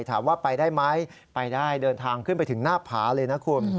ถามว่าไปได้ไหมไปได้เดินทางขึ้นไปถึงหน้าผาเลยนะคุณ